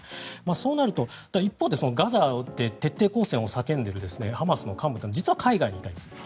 そうなると、一方でガザで徹底抗戦を叫んでいるハマスの幹部は実は海外にいたりする。